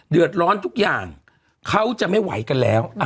เดือดร้อนทุกอย่างเขาจะไม่ไหวกันแล้ว